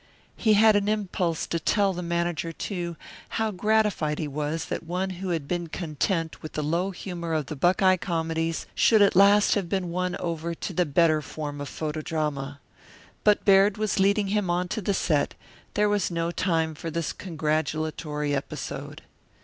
He had an impulse to tell the manager, too, how gratified he was that one who had been content with the low humour of the Buckeye comedies should at last have been won over to the better form of photodrama. But Baird was leading him on to the set; there was no time for this congratulatory episode.